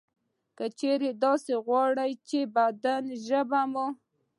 که چېرې تاسې غواړئ چې د بدن ژبه مو